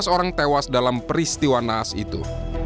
tujuh belas orang tewas dalam peristiwa naas itu